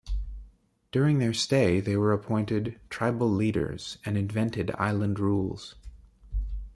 During their stay they were appointed 'tribal leaders' and invented island rules.